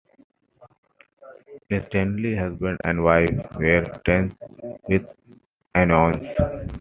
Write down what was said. Instantly husband and wife were tense with annoyance.